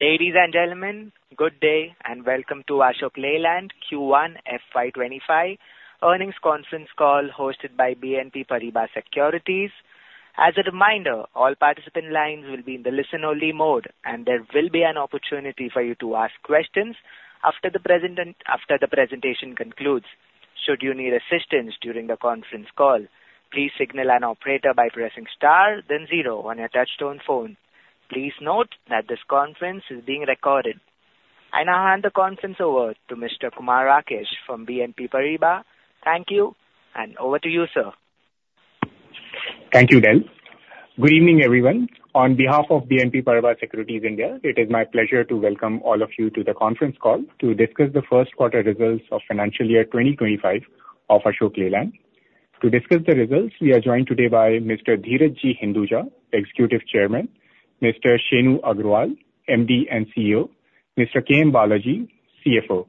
Ladies and gentlemen, good day, and welcome to Ashok Leyland Q1 FY25 earnings conference call hosted by BNP Paribas Securities. As a reminder, all participant lines will be in the listen-only mode, and there will be an opportunity for you to ask questions after the presenter, after the presentation concludes. Should you need assistance during the conference call, please signal an operator by pressing star then zero on your touch-tone phone. Please note that this conference is being recorded. I now hand the conference over to Mr. Kumar Rakesh from BNP Paribas. Thank you, and over to you, sir. Thank you, Del. Good evening, everyone. On behalf of BNP Paribas Securities India, it is my pleasure to welcome all of you to the conference call to discuss the first quarter results of financial year 2025 of Ashok Leyland. To discuss the results, we are joined today by Mr. Dheeraj Hinduja, Executive Chairman, Mr. Shenu Agarwal, MD and CEO, Mr. K.M. Balaji, CFO.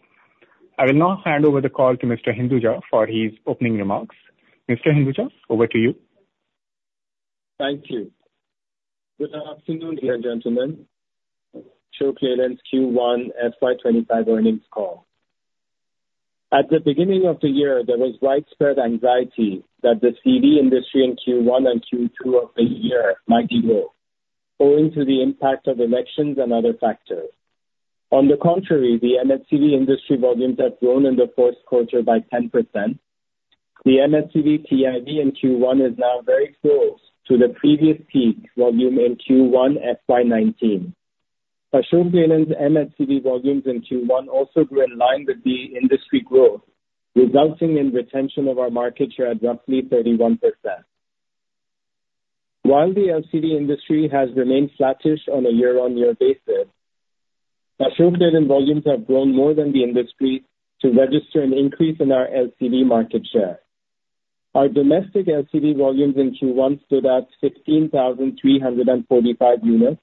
I will now hand over the call to Mr. Hinduja for his opening remarks. Mr. Hinduja, over to you. Thank you. Good afternoon, ladies and gentlemen, Ashok Leyland's Q1 FY 2025 earnings call. At the beginning of the year, there was widespread anxiety that the CV industry in Q1 and Q2 of the year might be low, owing to the impact of elections and other factors. On the contrary, the M&HCV industry volumes have grown in the first quarter by 10%. The M&HCV TIV in Q1 is now very close to the previous peak volume in Q1 FY 2019. Ashok Leyland's M&HCV volumes in Q1 also grew in line with the industry growth, resulting in retention of our market share at roughly 31%. While the LCV industry has remained flattish on a year-on-year basis, Ashok Leyland volumes have grown more than the industry to register an increase in our LCV market share. Our domestic LCV volumes in Q1 stood at 16,345 units,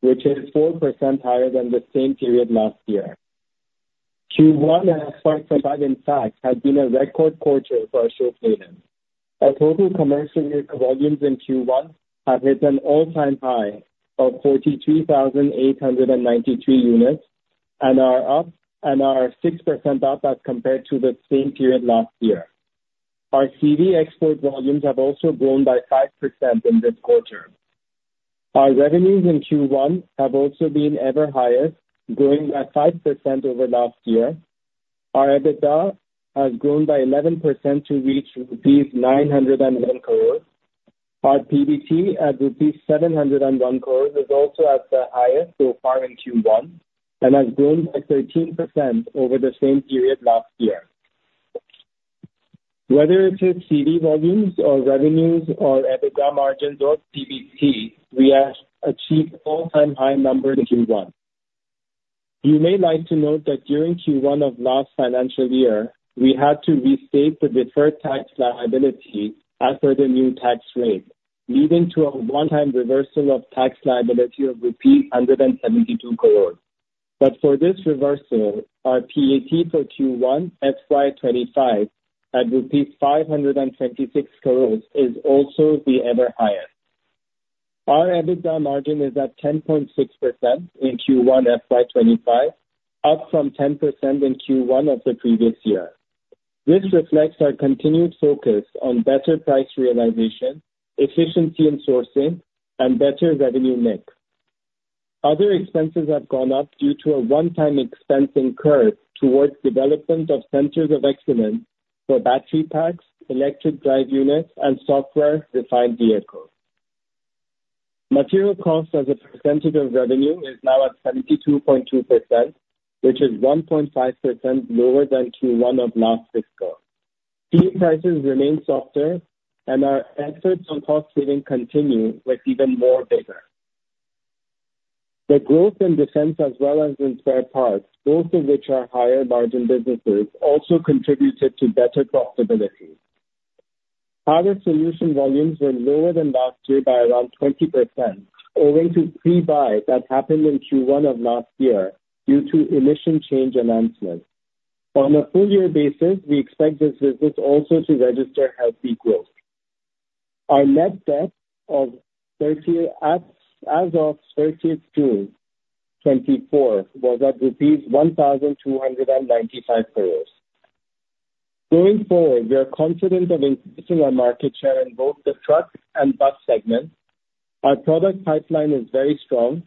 which is 4% higher than the same period last year. Q1 and FY 2025, in fact, has been a record quarter for Ashok Leyland. Our total commercial vehicle volumes in Q1 have hit an all-time high of 42,893 units and are up, and are 6% up as compared to the same period last year. Our CV export volumes have also grown by 5% in this quarter. Our revenues in Q1 have also been ever highest, growing at 5% over last year. Our EBITDA has grown by 11% to reach 901 crore. Our PBT at 701 crore is also at the highest so far in Q1 and has grown by 13% over the same period last year. Whether it is CV volumes or revenues or EBITDA margin or PBT, we have achieved all-time high numbers in Q1. You may like to note that during Q1 of last financial year, we had to restate the deferred tax liability as per the new tax rate, leading to a one-time reversal of tax liability of rupees 172 crore. But for this reversal, our PAT for Q1 FY 2025 at rupees 526 crore is also the ever highest. Our EBITDA margin is at 10.6% in Q1 FY 2025, up from 10% in Q1 of the previous year. This reflects our continued focus on better price realization, efficiency in sourcing, and better revenue mix. Other expenses have gone up due to a one-time expense incurred towards development of centers of excellence for battery packs, electric drive units, and software-defined vehicles. Material costs as a percentage of revenue is now at 72.2%, which is 1.5% lower than Q1 of last fiscal. Steel prices remain softer, and our efforts on cost saving continue with even more vigor. The growth in defense as well as in spare parts, both of which are higher margin businesses, also contributed to better profitability. Power Solutions volumes were lower than last year by around 20%, owing to pre-buy that happened in Q1 of last year due to emission change announcements. On a full year basis, we expect this business also to register healthy growth. Our net debt as of 30 June 2024 was at rupees 1,295 crore. Going forward, we are confident of increasing our market share in both the truck and bus segments. Our product pipeline is very strong.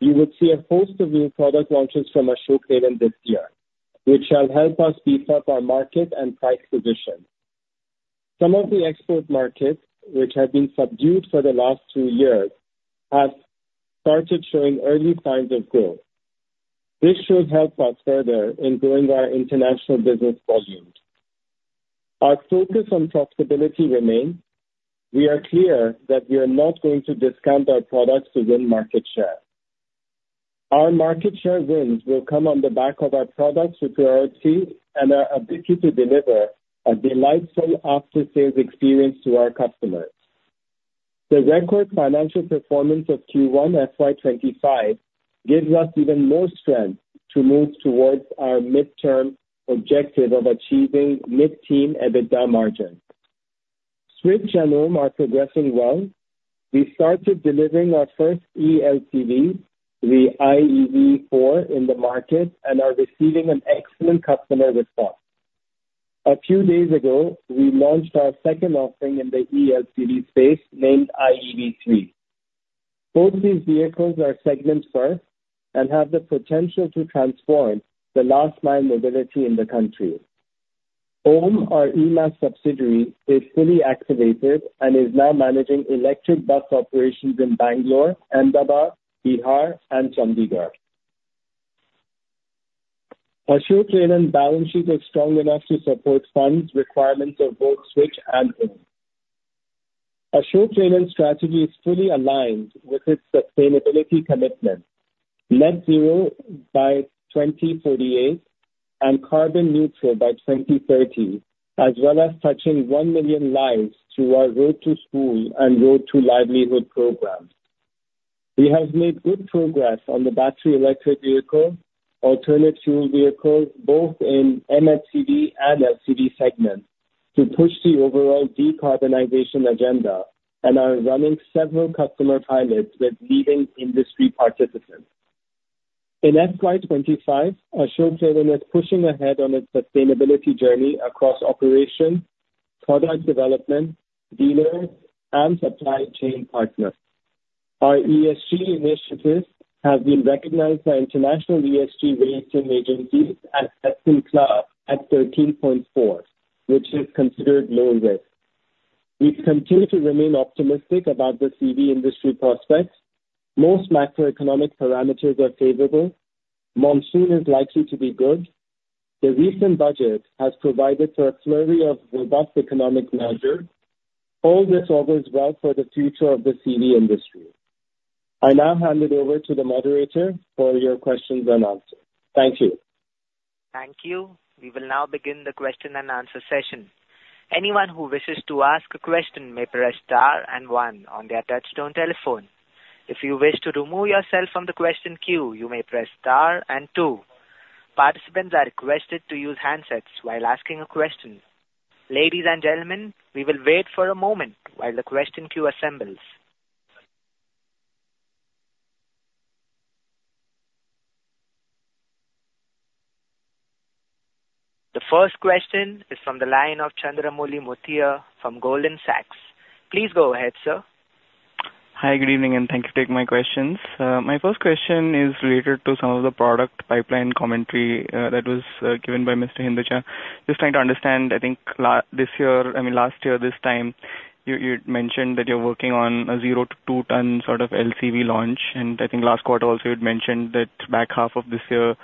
You would see a host of new product launches from Ashok Leyland this year, which shall help us beef up our market and price position. Some of the export markets, which have been subdued for the last 2 years, have started showing early signs of growth. This should help us further in growing our international business volumes. Our focus on profitability remains. We are clear that we are not going to discount our products to win market share. Our market share wins will come on the back of our product superiority and our ability to deliver a delightful after-sales experience to our customers. The record financial performance of Q1 FY25 gives us even more strength to move towards our midterm objective of achieving mid-teen EBITDA margin.... Switch and OHM are progressing well. We started delivering our first ELCV, the IeV4, in the market, and are receiving an excellent customer response. A few days ago, we launched our second offering in the ELCV space, named IeV3. Both these vehicles are segment first, and have the potential to transform the last mile mobility in the country. OHM, our E-MaaS subsidiary, is fully activated and is now managing electric bus operations in Bangalore, Ahmedabad, Bihar, and Chandigarh. Ashok Leyland's balance sheet is strong enough to support funds requirements of both Switch and OHM. Ashok Leyland's strategy is fully aligned with its sustainability commitment, net zero by 2048 and carbon neutral by 2030, as well as touching 1 million lives through our Road to School and Road to Livelihood programs. We have made good progress on the battery electric vehicle, alternate fuel vehicles, both in MLCV and LCV segments, to push the overall decarbonization agenda, and are running several customer pilots with leading industry participants. In FY 2025, Ashok Leyland is pushing ahead on its sustainability journey across operations, product development, dealers, and supply chain partners. Our ESG initiatives have been recognized by international ESG rating agencies at 13.4, which is considered low risk. We continue to remain optimistic about the CV industry prospects. Most macroeconomic parameters are favorable. Monsoon is likely to be good. The recent budget has provided for a flurry of robust economic measures. All this augurs well for the future of the CV industry. I now hand it over to the moderator for your questions and answers. Thank you. Thank you. We will now begin the question and answer session. Anyone who wishes to ask a question may press star and one on their touchtone telephone. If you wish to remove yourself from the question queue, you may press star and two. Participants are requested to use handsets while asking a question. Ladies and gentlemen, we will wait for a moment while the question queue assembles. The first question is from the line of Chandramouli Muthiah from Goldman Sachs. Please go ahead, sir. Hi, good evening, and thank you for taking my questions. My first question is related to some of the product pipeline commentary that was given by Mr. Hinduja. Just trying to understand, I think this year, I mean, last year, this time, you, you'd mentioned that you're working on a 0 to 2 ton sort of LCV launch, and I think last quarter also you'd mentioned that back half of this year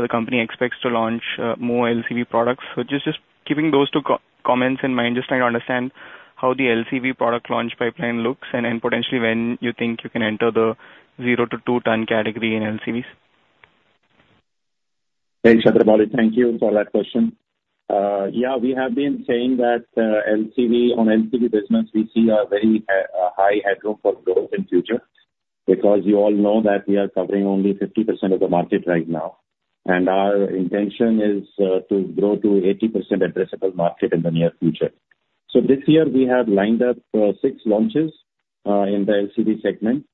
the company expects to launch more LCV products. So just keeping those two comments in mind, just trying to understand how the LCV product launch pipeline looks, and then potentially when you think you can enter the 0 to 2 ton category in LCVs? Hey, Chandramouli, thank you for that question. Yeah, we have been saying that, LCV, on LCV business, we see a very high headroom for growth in future, because you all know that we are covering only 50% of the market right now, and our intention is to grow to 80% addressable market in the near future. So this year we have lined up 6 launches in the LCV segment.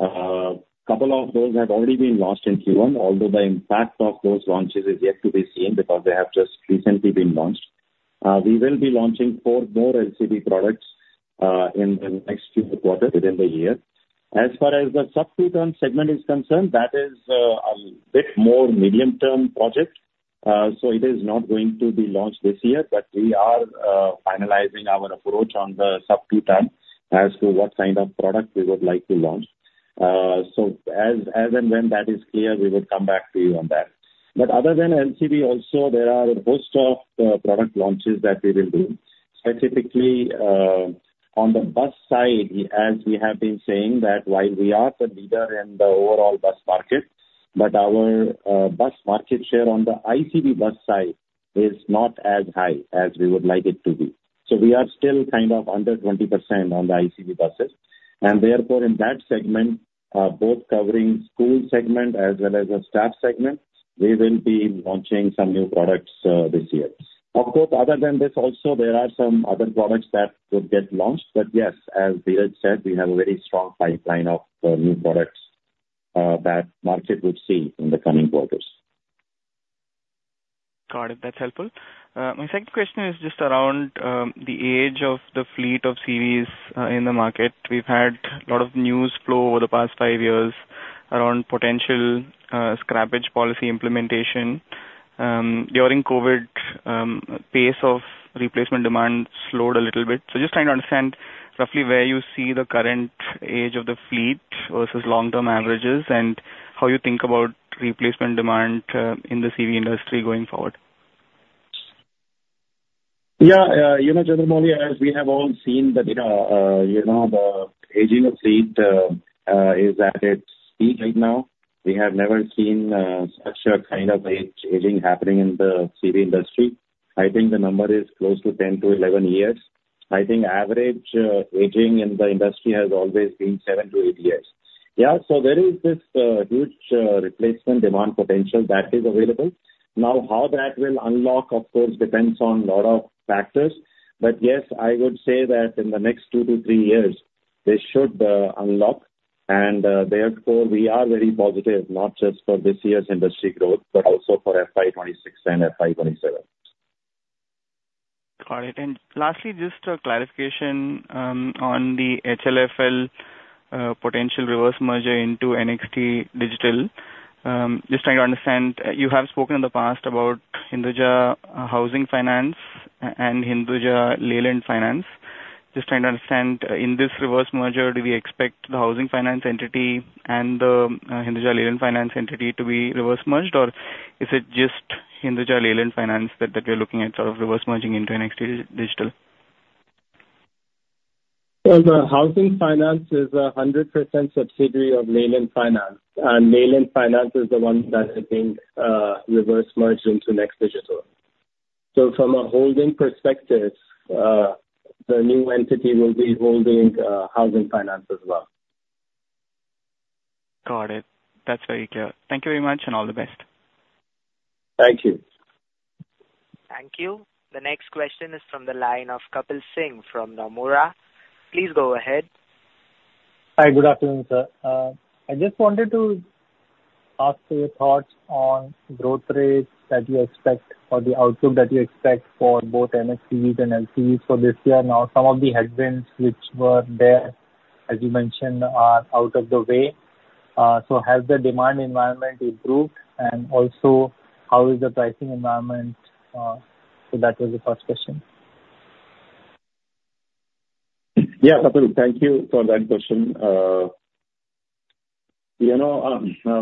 A couple of those have already been launched in Q1, although the impact of those launches is yet to be seen because they have just recently been launched. We will be launching 4 more LCV products in the next few quarters within the year. As far as the sub-two ton segment is concerned, that is, a bit more medium-term project, so it is not going to be launched this year. But we are finalizing our approach on the sub-two ton as to what kind of product we would like to launch. So as and when that is clear, we will come back to you on that. But other than LCV, also there are a host of product launches that we will do. Specifically, on the bus side, as we have been saying, that while we are the leader in the overall bus market, but our bus market share on the ICV bus side is not as high as we would like it to be. So we are still kind of under 20% on the ICV buses, and therefore, in that segment, both covering school segment as well as the staff segment, we will be launching some new products, this year. Of course, other than this also, there are some other products that would get launched, but yes, as Dheeraj said, we have a very strong pipeline of, new products, that market will see in the coming quarters. Got it. That's helpful. My second question is just around the age of the fleet of CVs in the market. We've had a lot of news flow over the past five years around potential scrappage policy implementation. During COVID, pace of replacement demand slowed a little bit. Just trying to understand roughly where you see the current age of the fleet versus long-term averages, and how you think about replacement demand in the CV industry going forward. Yeah, you know, Chandramouli, as we have all seen, that, you know, you know, the aging of fleet is at its peak right now. We have never seen such a kind of aging happening in the CV industry. I think the number is close to 10-11 years. I think average aging in the industry has always been 7-8 years. Yeah, so there is this huge replacement demand potential that is available. Now, how that will unlock, of course, depends on lot of factors. But yes, I would say that in the next 2-3 years, this should unlock, and therefore, we are very positive, not just for this year's industry growth, but also for FY 2026 and FY 2027. Got it. Lastly, just a clarification on the HLFL potential reverse merger into NXTDIGITAL. Just trying to understand, you have spoken in the past about Hinduja Housing Finance and Hinduja Leyland Finance. Just trying to understand, in this reverse merger, do we expect the housing finance entity and the Hinduja Leyland Finance entity to be reverse merged, or is it just Hinduja Leyland Finance that we're looking at sort of reverse merging into NXTDIGITAL? The housing finance is 100% subsidiary of Leyland Finance, and Leyland Finance is the one that is being reverse merged into NXTDIGITAL. From a holding perspective, the new entity will be holding housing finance as well. Got it. That's very clear. Thank you very much, and all the best. Thank you. Thank you. The next question is from the line of Kapil Singh from Nomura. Please go ahead. Hi, good afternoon, sir. I just wanted to ask for your thoughts on growth rates that you expect or the outcome that you expect for both M&HCVs and LCVs for this year. Now, some of the headwinds which were there, as you mentioned, are out of the way. So has the demand environment improved, and also, how is the pricing environment, so that was the first question. Yeah, Kapil, thank you for that question. You know,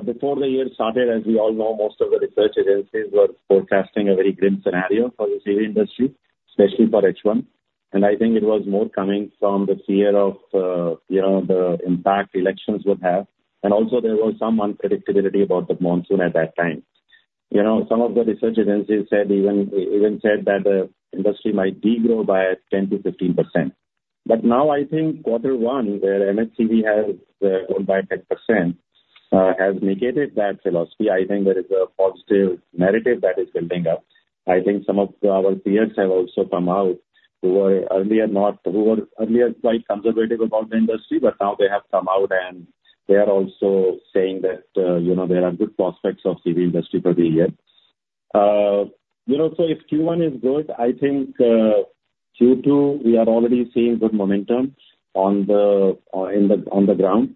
before the year started, as we all know, most of the research agencies were forecasting a very grim scenario for the CV industry, especially for H1. And I think it was more coming from the fear of, you know, the impact elections would have. And also, there was some unpredictability about the monsoon at that time. You know, some of the research agencies said even, even said that the industry might degrow by 10%-15%. But now I think Quarter One, where M&HCV has grown by 10%, has negated that philosophy. I think there is a positive narrative that is building up. I think some of our peers have also come out who were earlier quite conservative about the industry, but now they have come out, and they are also saying that, you know, there are good prospects of CV industry for the year. You know, so if Q1 is good, I think, Q2, we are already seeing good momentum on the ground.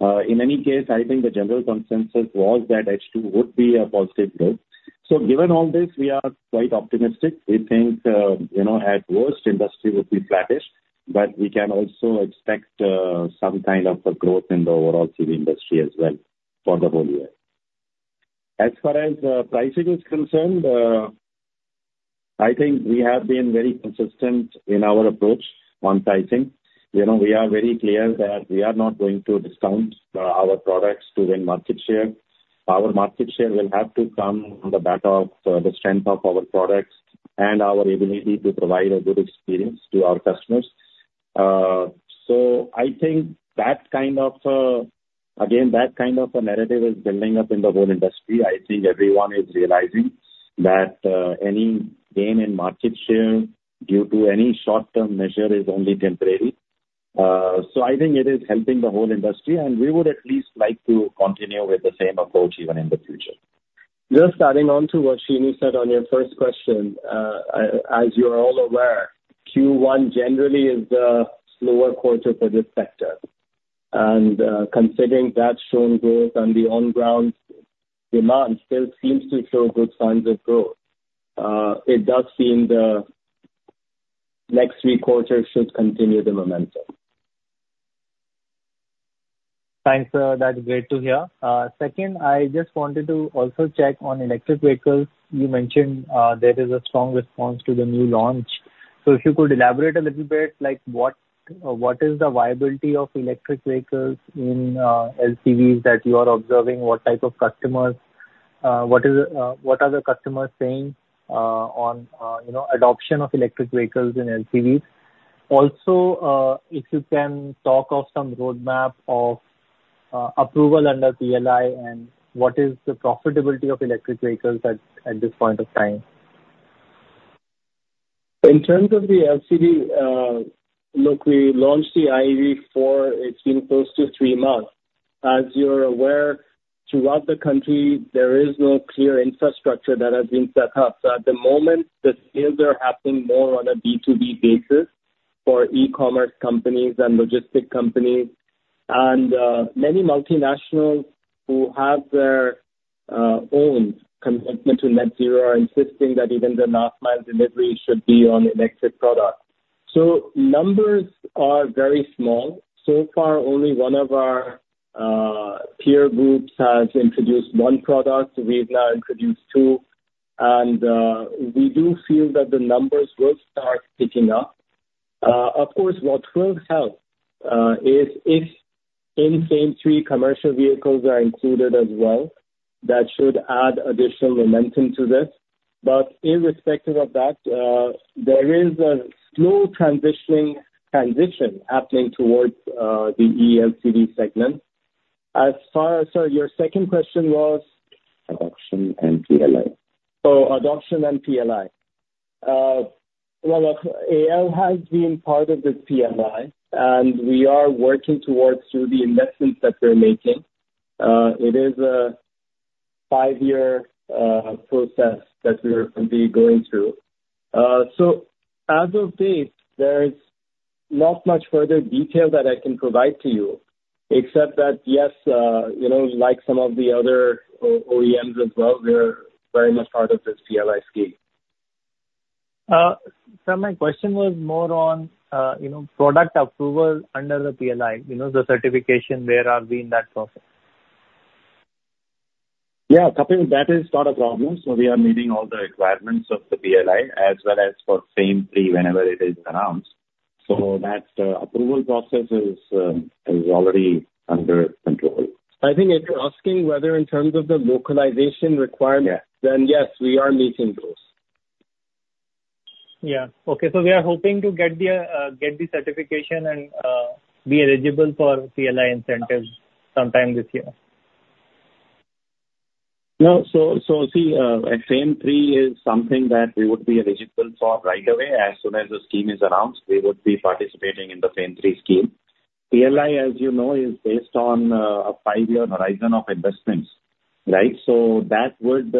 In any case, I think the general consensus was that H2 would be a positive growth. So given all this, we are quite optimistic. We think, you know, at worst, industry would be flattish, but we can also expect, some kind of a growth in the overall CV industry as well for the whole year. As far as pricing is concerned, I think we have been very consistent in our approach on pricing. You know, we are very clear that we are not going to discount our products to win market share. Our market share will have to come on the back of the strength of our products and our ability to provide a good experience to our customers. So I think that kind of, again, that kind of a narrative is building up in the whole industry. I think everyone is realizing that any gain in market share due to any short-term measure is only temporary. So I think it is helping the whole industry, and we would at least like to continue with the same approach even in the future. Just adding on to what Srini said on your first question, as you are all aware, Q1 generally is a slower quarter for this sector. Considering that shown growth and the on-ground demand still seems to show good signs of growth, it does seem the next three quarters should continue the momentum. Thanks, sir. That's great to hear. Second, I just wanted to also check on electric vehicles. You mentioned there is a strong response to the new launch. So if you could elaborate a little bit, like, what, what is the viability of electric vehicles in LCVs that you are observing? What type of customers? What is, what are the customers saying, on, you know, adoption of electric vehicles in LCVs? Also, if you can talk of some roadmap of approval under PLI and what is the profitability of electric vehicles at this point of time? In terms of the LCV, look, we launched the IeV4, it's been close to three months. As you're aware, throughout the country, there is no clear infrastructure that has been set up. So at the moment, the sales are happening more on a B2B basis for e-commerce companies and logistics companies. And, many multinationals who have their, own commitment to Net Zero are insisting that even the last mile delivery should be on electric product. So numbers are very small. So far, only one of our, peer groups has introduced one product. We've now introduced two, and, we do feel that the numbers will start picking up. Of course, what will help, is if BS3 commercial vehicles are included as well.... that should add additional momentum to this. But irrespective of that, there is a slow transitioning, transition happening towards the ELCV segment. As far as, so your second question was? Adoption and PLI. Oh, adoption and PLI. Well, look, AL has been part of this PLI, and we are working towards through the investments that we're making. It is a five-year process that we're going to be going through. So as of date, there is not much further detail that I can provide to you, except that, yes, you know, like some of the other OEMs as well, we are very much part of this PLI scheme. So my question was more on, you know, product approval under the PLI, you know, the certification, where are we in that process? Yeah, Kapil, that is not a problem. So we are meeting all the requirements of the PLI as well as for FAME III, whenever it is announced. That approval process is already under control. I think if you're asking whether in terms of the localization requirement- Yeah. Then, yes, we are meeting those. Yeah. Okay, so we are hoping to get the certification and be eligible for PLI incentives sometime this year? No, so see, FAME III is something that we would be eligible for right away. As soon as the scheme is announced, we would be participating in the FAME III scheme. PLI, as you know, is based on a five-year horizon of investments, right? So that would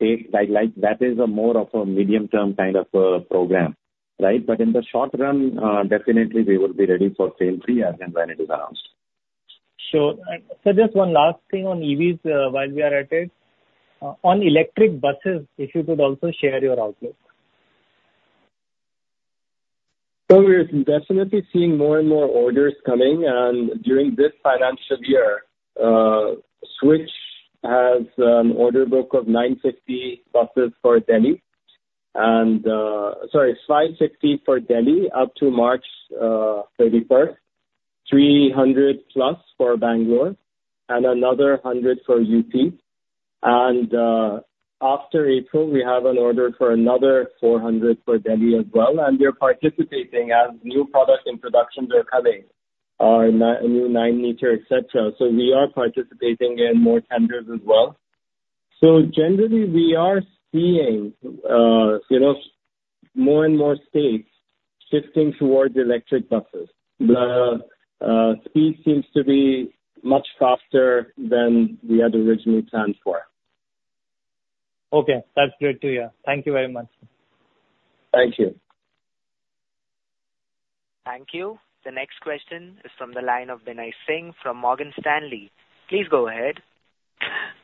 take, like, that is more of a medium-term kind of program, right? But in the short run, definitely we will be ready for FAME III again when it is announced. Sure. So just one last thing on EVs, while we are at it. On electric buses, if you could also share your outlook? So we are definitely seeing more and more orders coming, and during this financial year, Switch has an order book of 950 buses for Delhi, and... Sorry, 560 for Delhi up to March 31, 300+ for Bangalore, and another 100 for UP. And, after April, we have an order for another 400 for Delhi as well, and we are participating as new product introductions are coming, a new 9-meter, et cetera. So we are participating in more tenders as well. So generally, we are seeing, you know, more and more states shifting towards electric buses. The speed seems to be much faster than we had originally planned for. Okay. That's great to hear. Thank you very much. Thank you. Thank you. The next question is from the line of Binay Singh from Morgan Stanley. Please go ahead.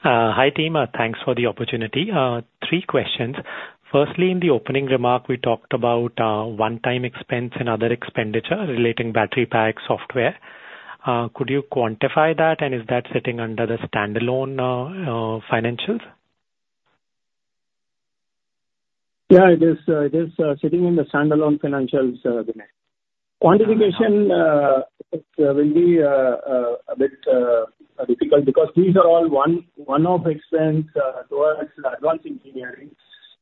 Hi, team. Thanks for the opportunity. Three questions. Firstly, in the opening remark, we talked about one-time expense and other expenditure relating battery pack software. Could you quantify that, and is that sitting under the standalone financials? Yeah, it is sitting in the standalone financials, Binay. Quantification will be a bit difficult because these are all one-off expense towards advanced engineering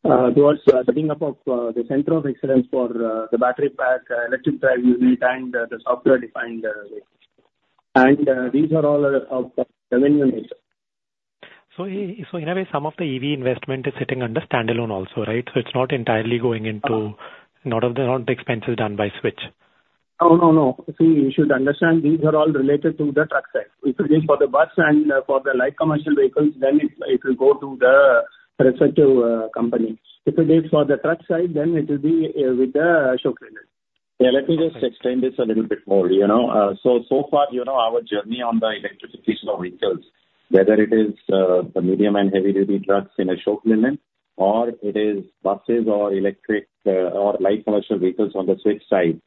towards setting up of the center of excellence for the battery pack, electric drive unit, and the software-defined vehicles. And these are all of the revenue nature. So in a way, some of the EV investment is sitting under standalone also, right? So it's not entirely going into- Uh. Not the expenses done by Switch. No, no, no. See, you should understand, these are all related to the truck side. If it is for the bus and for the light commercial vehicles, then it will go to the respective company. If it is for the truck side, then it will be with Ashok Leyland. Yeah, let me just explain this a little bit more. You know, so far, you know, our journey on the electrification of vehicles, whether it is the medium and heavy-duty trucks in Ashok Leyland, or it is buses or electric or light commercial vehicles on the Switch side,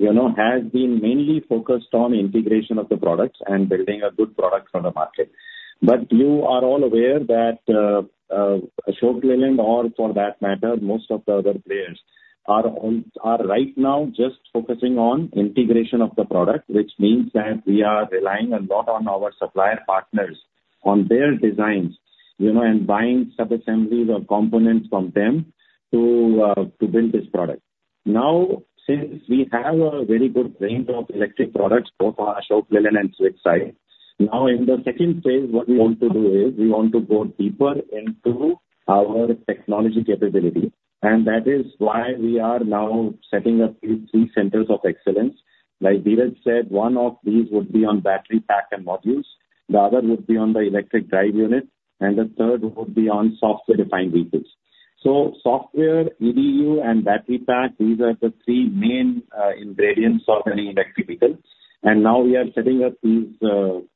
you know, has been mainly focused on integration of the products and building a good product for the market. But you are all aware that Ashok Leyland, or for that matter, most of the other players, are right now just focusing on integration of the product, which means that we are relying a lot on our supplier partners, on their designs, you know, and buying sub-assemblies or components from them to build this product. Now, since we have a very good range of electric products, both on Ashok Leyland and Switch side, now in the second phase, what we want to do is, we want to go deeper into our technology capability, and that is why we are now setting up these three centers of excellence. Like Dheeraj said, one of these would be on battery pack and modules, the other would be on the electric drive unit, and the third would be on software-defined vehicles. So software, EDU, and battery pack, these are the three main ingredients of any electric vehicle. And now we are setting up these,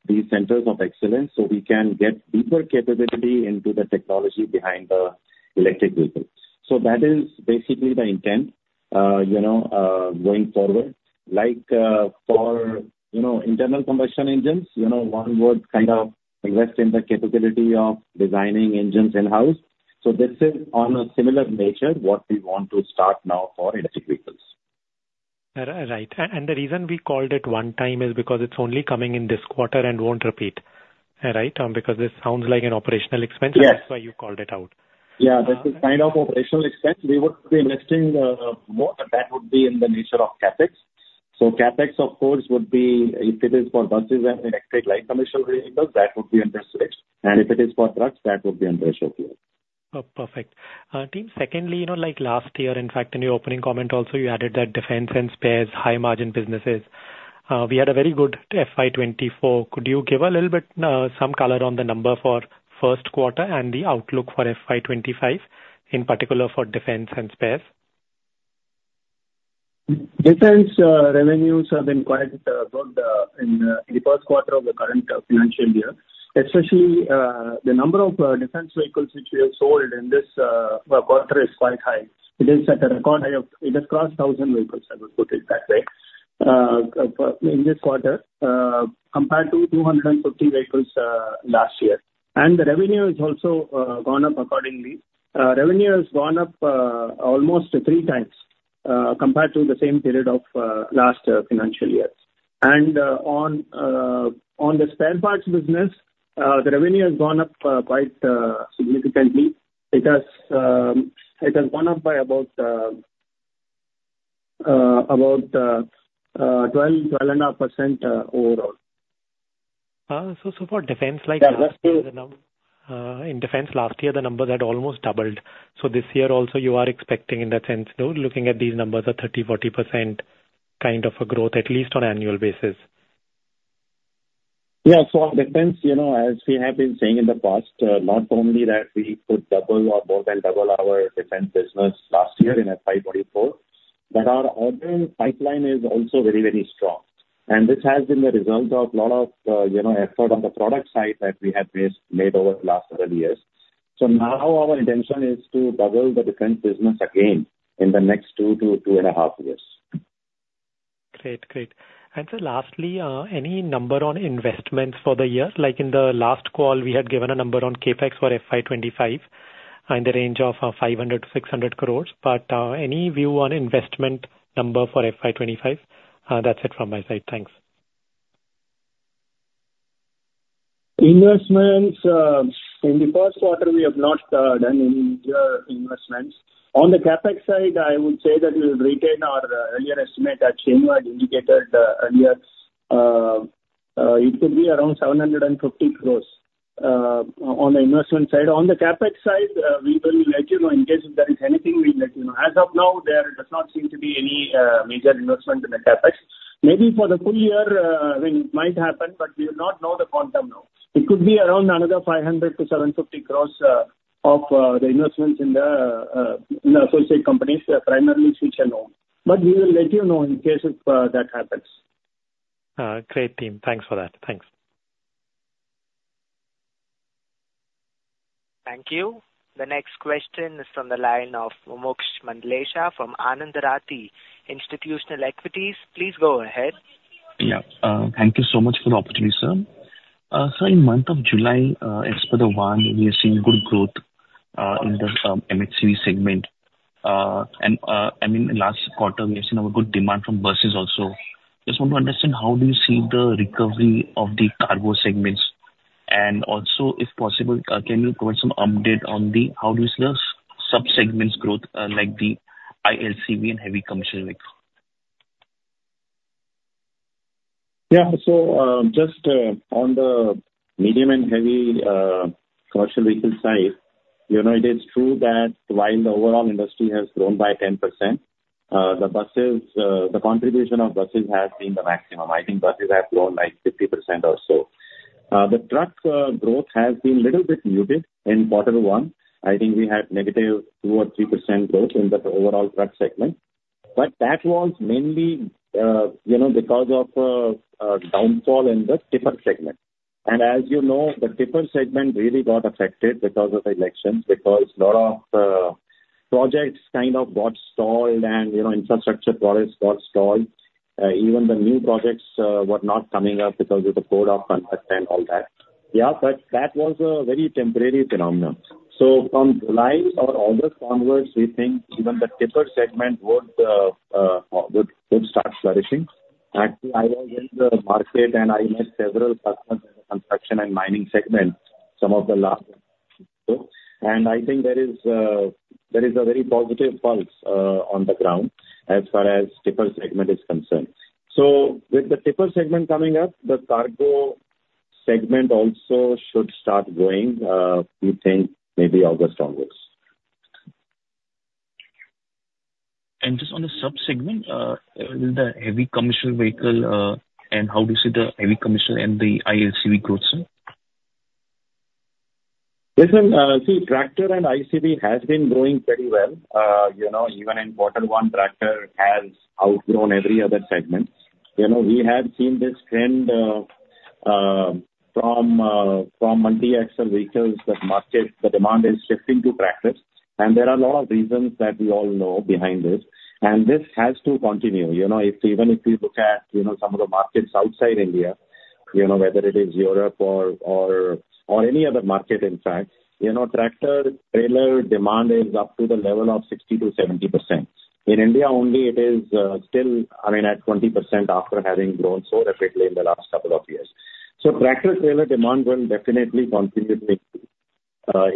these centers of excellence so we can get deeper capability into the technology behind the electric vehicles. So that is basically the intent, you know, going forward. Like, for, you know, internal combustion engines, you know, one would kind of invest in the capability of designing engines in-house. So this is on a similar nature, what we want to start now for electric vehicles.... Right. And the reason we called it one time is because it's only coming in this quarter and won't repeat. Right? Because this sounds like an operational expense- Yes. That's why you called it out. Yeah, that's the kind of operational expense we would be investing more, but that would be in the nature of CapEx. So CapEx, of course, would be, if it is for buses and electric light commercial vehicles, that would be in this mix, and if it is for trucks, that would be in the ratio here. Oh, perfect. Team, secondly, you know, like last year, in fact, in your opening comment also, you added that defense and spares, high margin businesses. We had a very good FY 2024. Could you give a little bit, some color on the number for first quarter and the outlook for FY 2025, in particular for defense and spares? Defense revenues have been quite good in the first quarter of the current financial year. Especially, the number of defense vehicles which we have sold in this quarter is quite high. It is at a record high of—it has crossed 1,000 vehicles, I would put it that way. In this quarter, compared to 250 vehicles last year. And the revenue has also gone up accordingly. Revenue has gone up almost 3 times compared to the same period of last financial years. And on the spare parts business, the revenue has gone up quite significantly. It has gone up by about 12.5% overall. So, for defense, like- Yeah, that is- In defense last year, the numbers had almost doubled. So this year also, you are expecting in that sense, though, looking at these numbers, a 30%-40% kind of a growth, at least on annual basis. Yeah. So on defense, you know, as we have been saying in the past, not only that we could double or more than double our defense business last year in FY 2024, but our order pipeline is also very, very strong. And this has been the result of lot of, you know, effort on the product side that we have made over the last several years. So now our intention is to double the defense business again in the next 2-2.5 years. Great. Great. And sir, lastly, any number on investments for the year? Like in the last call, we had given a number on CapEx for FY 2025, in the range of 500 crore-600 crore, but any view on investment number for FY 2025? That's it from my side. Thanks. Investments in the first quarter, we have not done any investments. On the CapEx side, I would say that we will retain our earlier estimate that Shenu had indicated earlier. It could be around 750 crore on the investment side. On the CapEx side, we will let you know. In case if there is anything, we'll let you know. As of now, there does not seem to be any major investment in the CapEx. Maybe for the full year, I mean, it might happen, but we do not know the quantum now. It could be around another 500 crore-750 crore of the investments in the associate companies, primarily Switch and HLF. But we will let you know in case if that happens. Great, team. Thanks for that. Thanks. Thank you. The next question is from the line of Mumuksh Mandlesha from Anand Rathi Institutional Equities. Please go ahead. Yeah. Thank you so much for the opportunity, sir. So in month of July, as per the one, we have seen good growth in the M&HCV segment. And, I mean, last quarter, we have seen a good demand from buses also. Just want to understand, how do you see the recovery of the cargo segments? And also, if possible, can you provide some update on the, how is the sub-segments growth, like the ICV and LCV and heavy commercial vehicles? Yeah. So, just on the medium and heavy commercial vehicle side, you know, it is true that while the overall industry has grown by 10%, the buses, the contribution of buses has been the maximum. I think buses have grown like 50% or so. The truck growth has been little bit muted in quarter one. I think we had negative 2% or 3% growth in the overall truck segment, but that was mainly, you know, because of downturn in the tipper segment. As you know, the tipper segment really got affected because of the elections, because lot of projects kind of got stalled and, you know, infrastructure projects got stalled. Even the new projects were not coming up because of the code of conduct and all that. Yeah, but that was a very temporary phenomenon. So from July or August onwards, we think even the tipper segment would start flourishing. Actually, I was in the market, and I met several customers in the construction and mining segment, some of the last, and I think there is a very positive pulse on the ground as far as tipper segment is concerned. So with the tipper segment coming up, the cargo segment also should start growing, we think maybe August onwards. Just on the sub-segment, with the heavy commercial vehicle, and how do you see the heavy commercial and the LCV growth, sir? Listen, so tractor and ICV has been growing very well. You know, even in quarter one, tractor has outgrown every other segment. You know, we have seen this trend, from multi-axle vehicles, that market, the demand is shifting to tractors, and there are a lot of reasons that we all know behind this, and this has to continue. You know, if even if you look at, you know, some of the markets outside India, you know, whether it is Europe or or any other market, in fact, you know, tractor trailer demand is up to the level of 60%-70%. In India only, it is, still, I mean, at 20% after having grown so rapidly in the last couple of years. So tractor trailer demand will definitely continue to increase,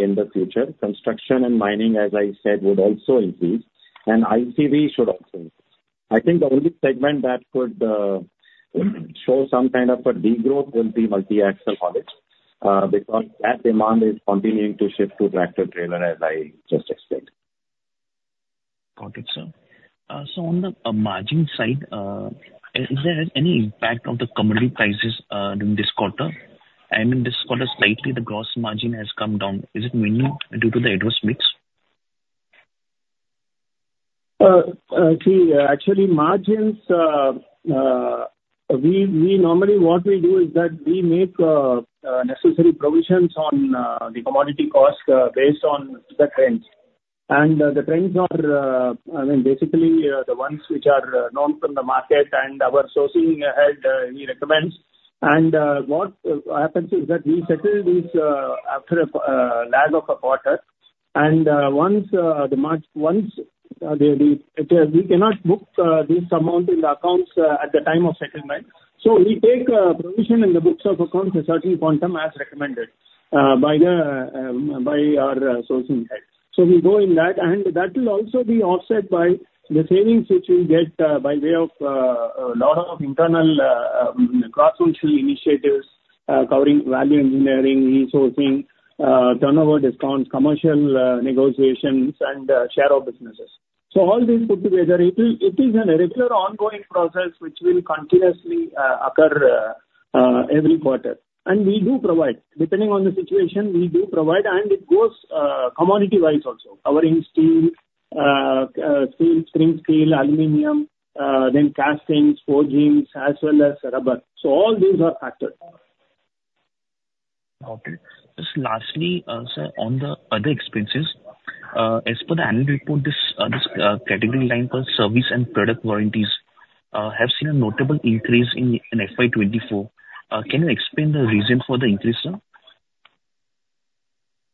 in the future. Construction and mining, as I said, would also increase, and ICV should also increase. I think the only segment that could show some kind of a degrowth will be multi-axle only, because that demand is continuing to shift to tractor trailer, as I just explained. Got it, sir. So on the margin side, is there any impact of the commodity prices in this quarter? I mean, this quarter, slightly, the gross margin has come down. Is it mainly due to the adverse mix? Actually, margins, we normally what we do is that we make necessary provisions on the commodity costs based on the trends. And the trends are, I mean, basically, the ones which are known from the market, and our sourcing head he recommends. And what happens is that we settle this after a lag of a quarter, and once the we cannot book this amount in the accounts at the time of settlement, so we take provision in the books of accounts a certain quantum as recommended by our sourcing head. So we go in that, and that will also be offset by the savings which we get by way of a lot of internal cross-functional initiatives covering value engineering, resourcing, turnover discounts, commercial negotiations, and share of businesses. So all these put together, it is a regular ongoing process which will continuously occur every quarter. And we do provide. Depending on the situation, we do provide, and it goes commodity-wise also, covering steel, spring steel, aluminum, then castings, forgings, as well as rubber. So all these are factors. Okay. Just lastly, sir, on the other expenses, as per the annual report, this category line for service and product warranties have seen a notable increase in FY 2024. Can you explain the reason for the increase, sir?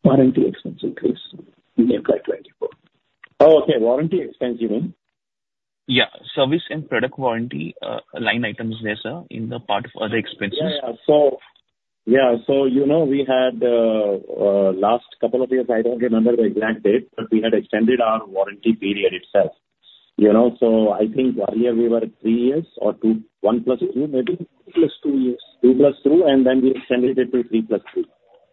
Warranty expense increase in FY24. Oh, okay, warranty expense you mean? Yeah. Service and product warranty line items there, sir, in the part of other expenses. Yeah. So, yeah, so you know, we had, last couple of years, I don't remember the exact date, but we had extended our warranty period itself. You know, so I think earlier we were 3 years or 2, 1 + 2, maybe, + 2 years. 2 + 2, and then we extended it to 3 + 2.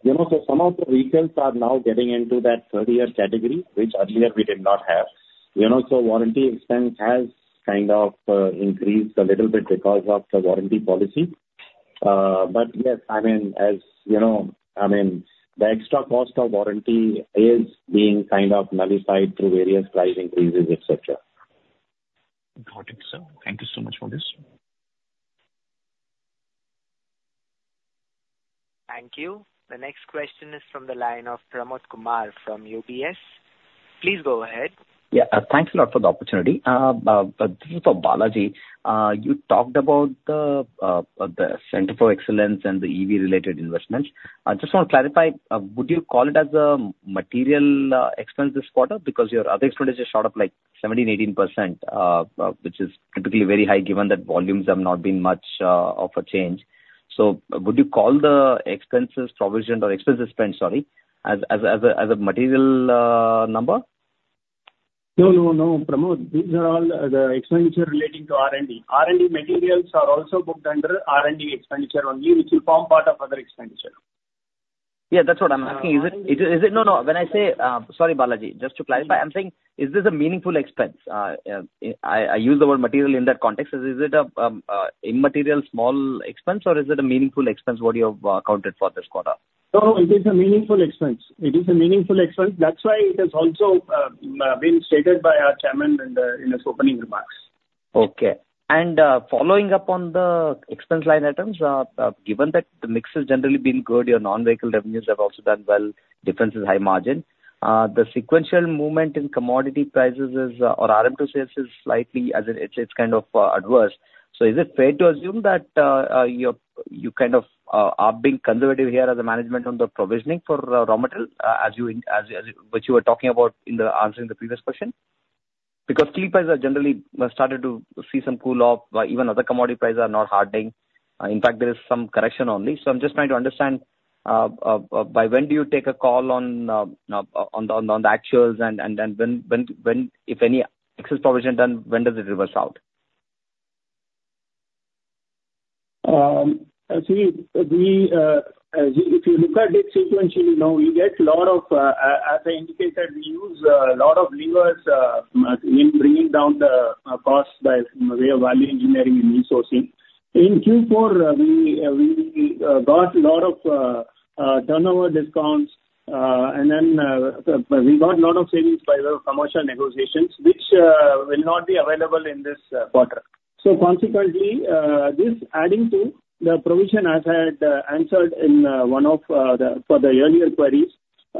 You know, so some of the vehicles are now getting into that third-year category, which earlier we did not have. You know, so warranty expense has kind of increased a little bit because of the warranty policy. But yes, I mean, as you know, I mean, the extra cost of warranty is being kind of nullified through various price increases, et cetera. Got it, sir. Thank you so much for this. Thank you. The next question is from the line of Pramod Kumar from UBS. Please go ahead. Yeah, thanks a lot for the opportunity. This is for Balaji. You talked about the Center for Excellence and the EV-related investments. I just want to clarify, would you call it as a material expense this quarter? Because your other expenditures shot up, like, 17%-18%, which is typically very high, given that volumes have not been much of a change. So would you call the expenses provisioned or expenses spent, sorry, as a material number? No, no, no, Pramod, these are all the expenditure relating to R&D. R&D materials are also booked under R&D expenditure only, which will form part of other expenditure. Yeah, that's what I'm asking. Uh- Is it? No, no. When I say, sorry, Balaji, just to clarify, I'm saying, is this a meaningful expense? I use the word material in that context. Is it a immaterial small expense, or is it a meaningful expense, what you have accounted for this quarter? No, it is a meaningful expense. It is a meaningful expense. That's why it is also being stated by our chairman in the, in his opening remarks. Okay. And, following up on the expense line items, given that the mix has generally been good, your non-vehicle revenues have also done well, difference is high margin. The sequential movement in commodity prices is, or RM to sales is slightly as it, it's, it's kind of, adverse. So is it fair to assume that, you're, you kind of, are being conservative here as a management on the provisioning for, raw materials, as you, as, as, which you were talking about in the answer in the previous question? Because steel prices are generally, started to see some cool off, even other commodity prices are not hardening. In fact, there is some correction only. I'm just trying to understand, by when do you take a call on the actuals and then, when if any excess provision done, when does it reverse out? As if you look at it sequentially, now we get lot of, as I indicated, we use lot of levers in bringing down the cost by way of value engineering and resourcing. In Q4, we got lot of turnover discounts, and then we got lot of savings by way of commercial negotiations, which will not be available in this quarter. So consequently, this adding to the provision, as I had answered in one of the for the earlier queries....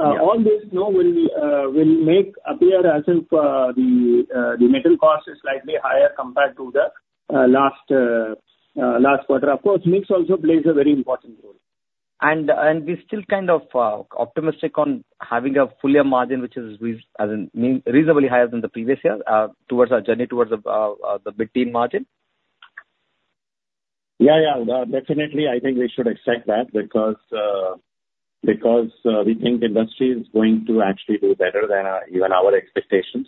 all this, you know, will make appear as if the metal cost is slightly higher compared to the last quarter. Of course, mix also plays a very important role. We're still kind of optimistic on having a full year margin, which is reasonably higher than the previous year, towards our journey towards the mid-teen margin? Yeah, yeah. Definitely, I think we should expect that because, because, we think the industry is going to actually do better than, even our expectations.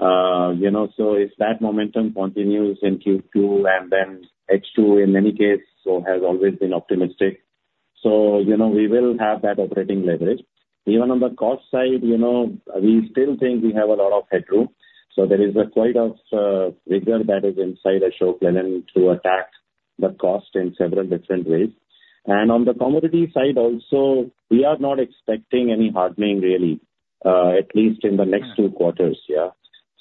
You know, so if that momentum continues in Q2 and then H2, in any case, so has always been optimistic. So, you know, we will have that operating leverage. Even on the cost side, you know, we still think we have a lot of headroom, so there is quite a rigor that is inside Ashok Leyland to attack the cost in several different ways. And on the commodity side also, we are not expecting any hardening really, at least in the next two quarters. Yeah.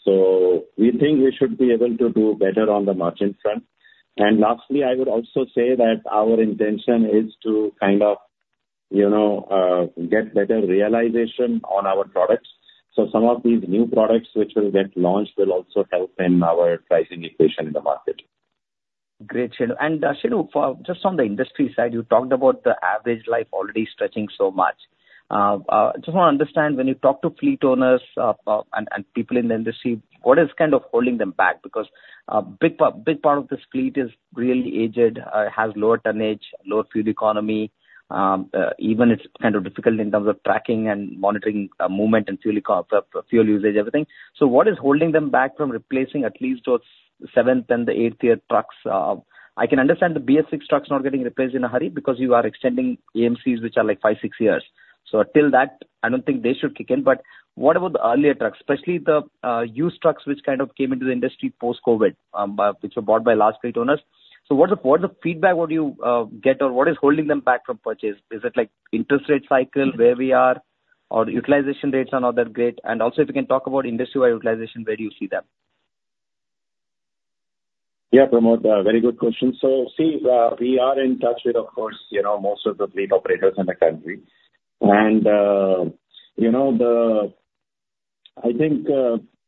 So we think we should be able to do better on the margin front. And lastly, I would also say that our intention is to kind of, you know, get better realization on our products. So some of these new products which will get launched will also help in our pricing equation in the market. Great, Shenu. And, Shenu, for just on the industry side, you talked about the average life already stretching so much. I just want to understand, when you talk to fleet owners and people in the industry, what is kind of holding them back? Because big part of this fleet is really aged, has lower tonnage, lower fuel economy, even it's kind of difficult in terms of tracking and monitoring movement and fuel usage, everything. So what is holding them back from replacing at least those seventh and the eighth year trucks? I can understand the BS6 trucks not getting replaced in a hurry because you are extending AMCs, which are, like, five, six years. So till that, I don't think they should kick in. But what about the earlier trucks, especially the used trucks, which kind of came into the industry post-COVID, by, which were bought by large fleet owners? So what's the feedback what you get, or what is holding them back from purchase? Is it, like, interest rate cycle, where we are, or utilization rates are not that great? And also, if you can talk about industry-wide utilization, where do you see that? Yeah, Pramod, very good question. So see, we are in touch with, of course, you know, most of the fleet operators in the country. And, you know, the, I think,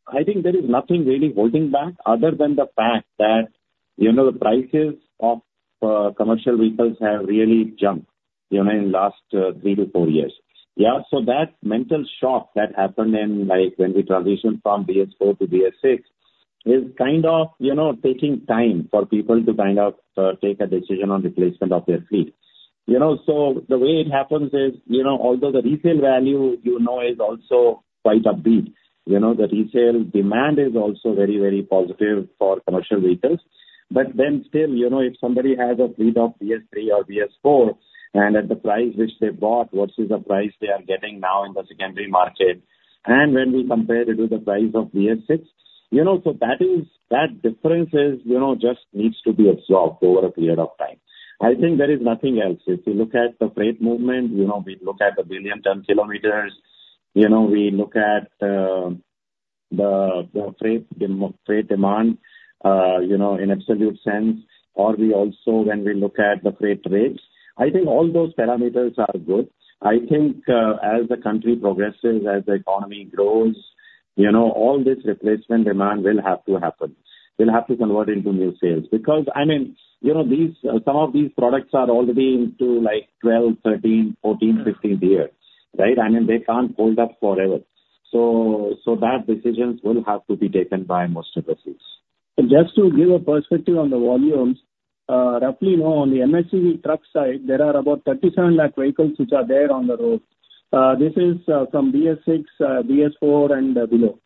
I think there is nothing really holding back other than the fact that, you know, the prices of commercial vehicles have really jumped, you know, in last 3-4 years. Yeah, so that mental shock that happened in, like, when we transitioned from BS4 to BS6, is kind of, you know, taking time for people to kind of take a decision on replacement of their fleet. You know, so the way it happens is, you know, although the resale value, you know, is also quite upbeat, you know, the resale demand is also very, very positive for commercial vehicles. But then still, you know, if somebody has a fleet of BS3 or BS4, and at the price which they bought versus the price they are getting now in the secondary market, and when we compare it to the price of BS6, you know, so that is, that difference is, you know, just needs to be absorbed over a period of time. I think there is nothing else. If you look at the freight movement, you know, we look at the billion ton kilometers, you know, we look at the freight demand, you know, in absolute sense, or we also, when we look at the freight rates, I think all those parameters are good. I think, as the country progresses, as the economy grows, you know, all this replacement demand will have to happen. Will have to convert into new sales. Because, I mean, you know, these, some of these products are already into, like, 12, 13, 14, 15 years, right? I mean, they can't hold up forever. So that decisions will have to be taken by most of the fleets. Just to give a perspective on the volumes, roughly, you know, on the MSC truck side, there are about 37 lakh vehicles which are there on the road. This is from BS6, BS4 and below.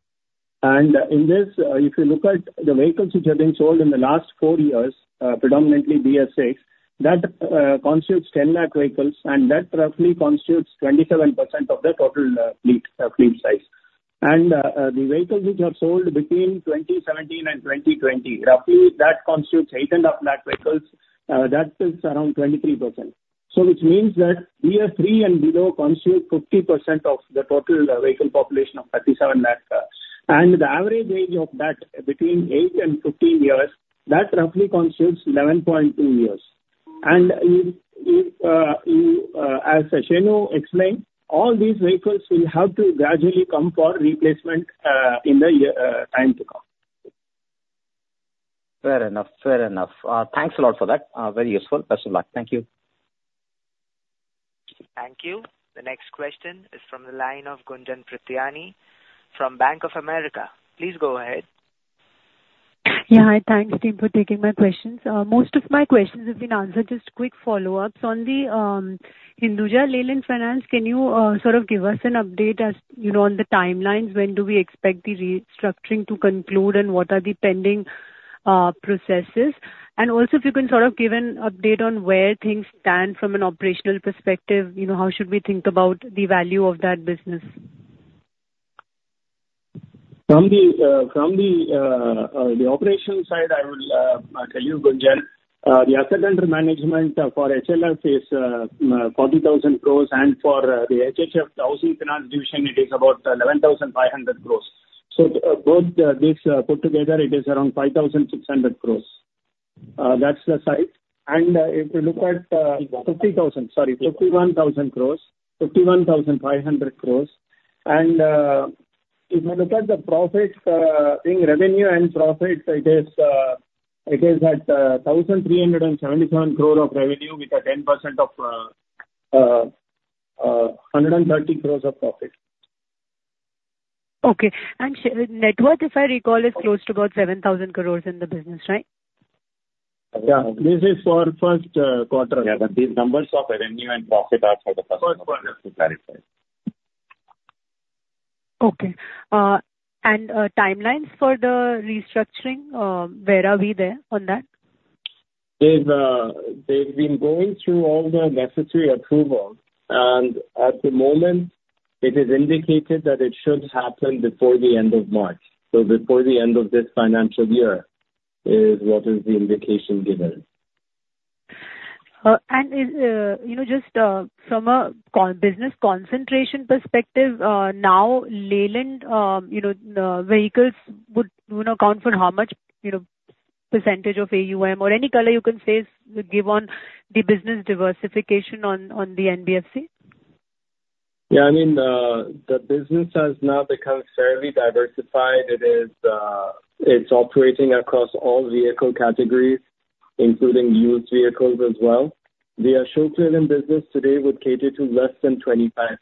And in this, if you look at the vehicles which have been sold in the last four years, predominantly BS6, that constitutes 10 lakh vehicles, and that roughly constitutes 27% of the total, fleet, fleet size. And the vehicles which are sold between 2017 and 2020, roughly, that constitutes 8.5 lakh vehicles, that is around 23%. So which means that BS3 and below constitute 50% of the total, vehicle population of 37 lakh cars. And the average age of that, between 8 and 15 years, that roughly constitutes 11.2 years. If, as Shenu explained, all these vehicles will have to gradually come for replacement in the year time to come. Fair enough. Fair enough. Thanks a lot for that. Very useful. Best of luck. Thank you. Thank you. The next question is from the line of Gunjan Prithyani from Bank of America. Please go ahead. Yeah, hi. Thanks, team, for taking my questions. Most of my questions have been answered. Just quick follow-ups. On the Hinduja Leyland Finance, can you sort of give us an update, as you know, on the timelines, when do we expect the restructuring to conclude, and what are the pending processes? And also, if you can sort of give an update on where things stand from an operational perspective, you know, how should we think about the value of that business? From the operational side, I will tell you, Gunjan, the asset under management for HLF is 40,000 crore, and for the HHF, the housing finance division, it is about 11,500 crore. So, both these put together, it is around 5,600 crore.... that's the size. And, if you look at 51,000 crore, 51,500 crore, and, if you look at the profits, in revenue and profits, it is at 1,377 crore of revenue with a 10% of 130 crore of profit. Okay. And share the net worth, if I recall, is close to about 7,000 crore in the business, right? Yeah, this is for first quarter. Yeah, but these numbers of revenue and profit are for the first quarter, just to clarify. Okay. And timelines for the restructuring, where are we there on that? They've been going through all the necessary approvals, and at the moment, it is indicated that it should happen before the end of March. So before the end of this financial year, is what is the indication given. And, you know, just from a business concentration perspective, now, Leyland, you know, the vehicles would, you know, account for how much, you know, percentage of AUM or any color you can say, give on the business diversification on the NBFC? Yeah, I mean, the business has now become fairly diversified. It is, it's operating across all vehicle categories, including used vehicles as well. The Ashok Leyland business today would cater to less than 25%.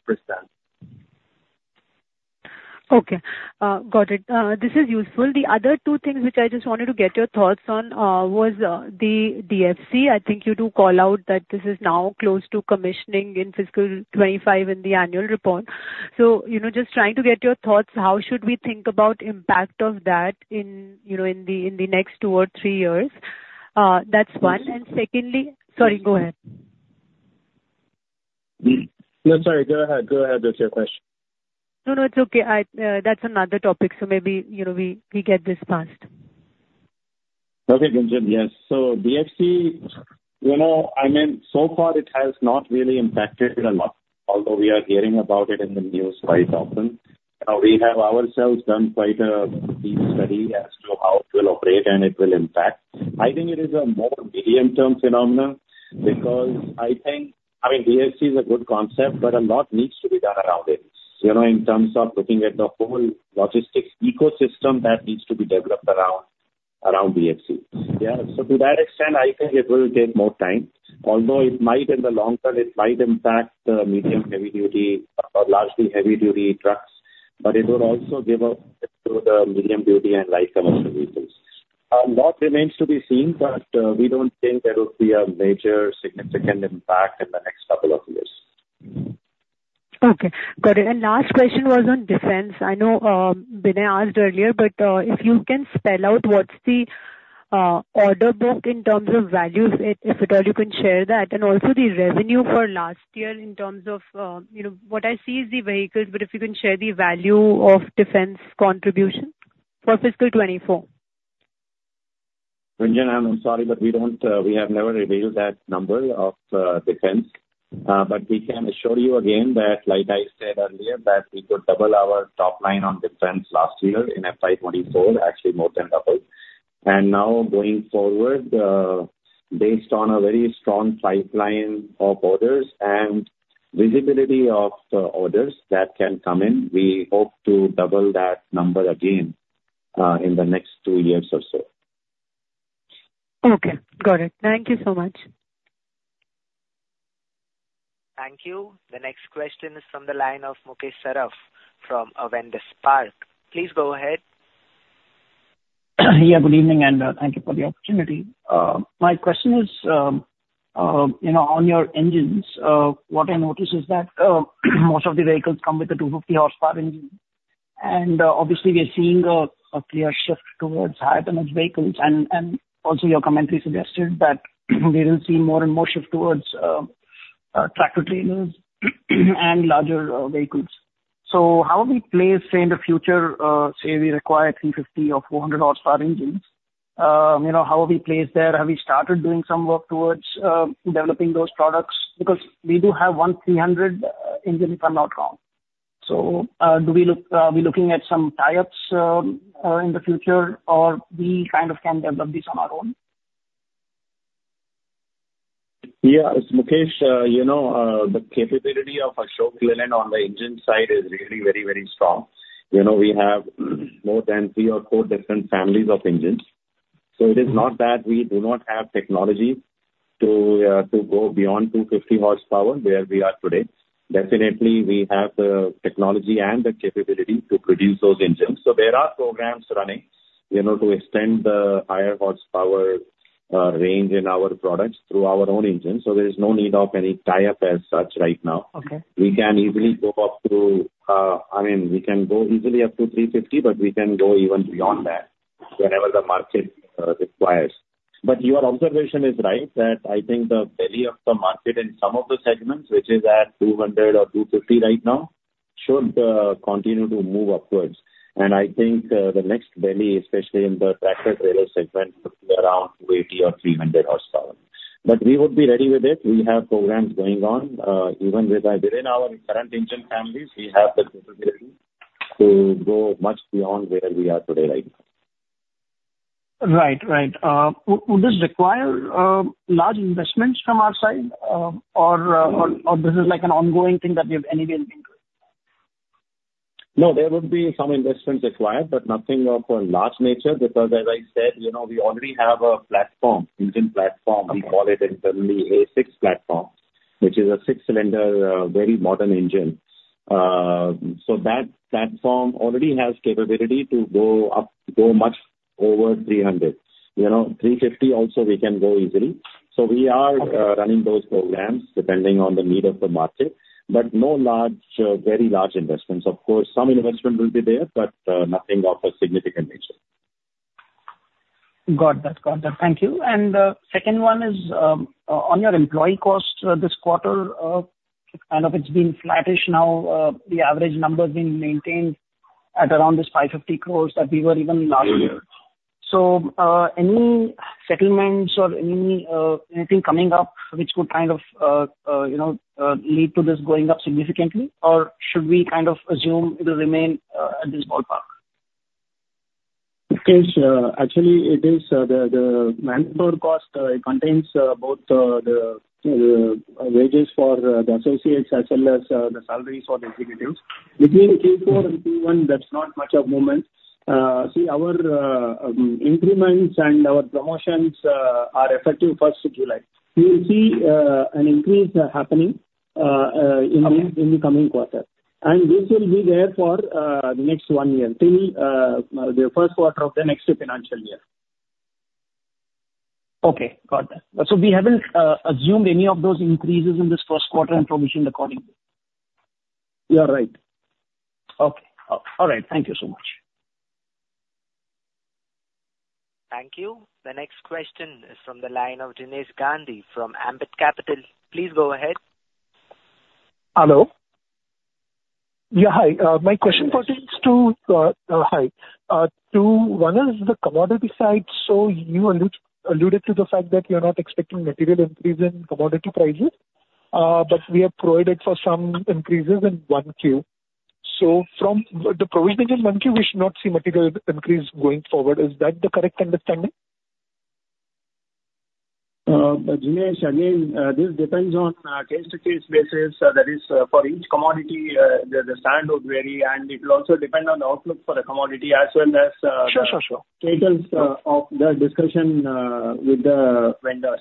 Okay, got it. This is useful. The other two things which I just wanted to get your thoughts on, was, the DFC. I think you do call out that this is now close to commissioning in fiscal 2025 in the annual report. So, you know, just trying to get your thoughts, how should we think about impact of that in, you know, in the next two or three years? That's one. And secondly... Sorry, go ahead. No, I'm sorry. Go ahead. Go ahead with your question. No, no, it's okay. I, that's another topic, so maybe, you know, we get this passed. Okay, Gunjan, yes. So DFC, you know, I mean, so far it has not really impacted it a lot, although we are hearing about it in the news quite often. We have ourselves done quite a deep study as to how it will operate and it will impact. I think it is a more medium-term phenomenon, because I think, I mean, DFC is a good concept, but a lot needs to be done around it, you know, in terms of looking at the whole logistics ecosystem that needs to be developed around, around DFC. Yeah, so to that extent, I think it will take more time, although it might in the long term, it might impact, medium heavy-duty, or largely heavy-duty trucks, but it will also give a lift to the medium duty and light commercial vehicles. A lot remains to be seen, but, we don't think there will be a major significant impact in the next couple of years. Okay, got it. And last question was on defense. I know, Binay asked earlier, but if you can spell out what's the order book in terms of values, if, if at all you can share that, and also the revenue for last year in terms of, you know, what I see is the vehicles, but if you can share the value of defense contribution for fiscal 2024. Gunjan, I'm sorry, but we don't, we have never revealed that number of, defense. But we can assure you again that, like I said earlier, that we could double our top line on defense last year in FY 2024, actually more than double. And now going forward, based on a very strong pipeline of orders and visibility of the orders that can come in, we hope to double that number again, in the next two years or so. Okay, got it. Thank you so much. Thank you. The next question is from the line of Mukesh Saraf from Avendus Spark. Please go ahead. Yeah, good evening, and thank you for the opportunity. My question is, you know, on your engines, what I noticed is that most of the vehicles come with a 250 horsepower engine. And obviously, we are seeing a clear shift towards high horsepower vehicles, and also your commentary suggested that we will see more and more shift towards tractor-trailers and larger vehicles. So how are we placed in the future, say, we require 350 or 400 horsepower engines? You know, how are we placed there? Have we started doing some work towards developing those products? Because we do have one 300 engine, if I'm not wrong. So, do we look, we looking at some tie-ups in the future, or we kind of can develop this on our own? Yeah, Mukesh, you know, the capability of Ashok Leyland on the engine side is really very, very strong. You know, we have more than three or four different families of engines. So it is not that we do not have technology to, to go beyond 250 horsepower, where we are today. Definitely, we have the technology and the capability to produce those engines. So there are programs running, you know, to extend the higher horsepower, range in our products through our own engines, so there is no need of any tie-up as such right now. Okay. We can easily go up to, I mean, we can go easily up to 350, but we can go even beyond that whenever the market requires. But your observation is right, that I think the value of the market in some of the segments, which is at 200 or 250 right now, should continue to move upwards. And I think, the next value, especially in the tractor-trailer segment, around 280 or 300 horsepower. But we would be ready with it. We have programs going on, even with our, within our current engine families, we have the capability to go much beyond where we are today, right? Right, right. Would this require large investments from our side, or this is like an ongoing thing that we have anyway been doing? No, there would be some investments required, but nothing of a large nature, because as I said, you know, we already have a platform, engine platform. We call it internally A6 platform, which is a six-cylinder, very modern engine. So that platform already has capability to go up, go much over 300. You know, 350 also we can go easily. So we are- Okay. Running those programs depending on the need of the market, but no large, very large investments. Of course, some investment will be there, but nothing of a significant nature. Got that. Got that. Thank you. Second one is on your employee cost this quarter. Kind of it's been flattish now. The average number has been maintained at around 550 crore that we were even last year. Yeah, yeah. So, any settlements or any, anything coming up which could kind of, you know, lead to this going up significantly? Or should we kind of assume it will remain, at this ballpark? It is actually the manpower cost. It contains both the wages for the associates as well as the salaries for the executives. Between Q4 and Q1, that's not much of movement. See, our increments and our promotions are effective first of July. We will see an increase happening in the- Coming. in the coming quarter. This will be there for the next one year, till the first quarter of the next financial year. Okay, got that. So we haven't assumed any of those increases in this first quarter and provisioned accordingly? You are right. Okay. All right. Thank you so much. Thank you. The next question is from the line of Jinesh Gandhi from Ambit Capital. Please go ahead. Hello? Yeah, hi. My question pertains to one is the commodity side. So you alluded to the fact that you're not expecting material increase in commodity prices, but we have provided for some increases in 1Q. So from the provision in 1Q, we should not see material increase going forward. Is that the correct understanding? Jinesh, again, this depends on case-by-case basis. That is, for each commodity, the stand would vary, and it will also depend on the outlook for the commodity as well as, Sure, sure, sure. Details of the discussion with the vendors.